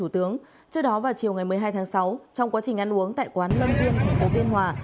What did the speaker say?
trước đó vào chiều ngày một mươi hai tháng sáu trong quá trình ăn uống tại quán lâm viên thành phố biên hòa